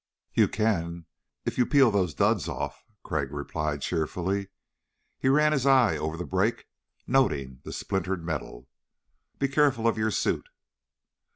"You can if you peel those duds off," Crag replied cheerfully. He ran his eye over the break noting the splintered metal. "Be careful of your suit."